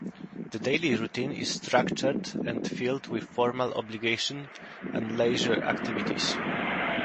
The daily routine is structured and filled with formal obligations and leisure activities.